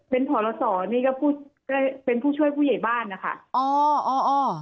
เป็นผอลสเป็นผู้ช่วยผู้ใหญ่บ้านนะคะ